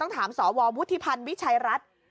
ถามสววุฒิพันธ์วิชัยรัฐ